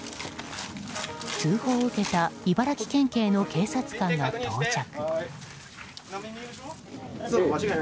通報を受けた茨城県警の警察官が到着。